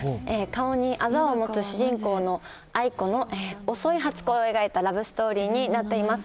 顔にあざを持つ主人公のアイコの遅い初恋を描いたラブストーリーになってます。